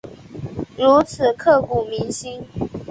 如此刻骨铭心